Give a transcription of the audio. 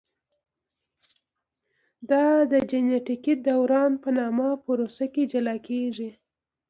دا د جینټیکي دوران په نامه پروسه کې جلا کېږي.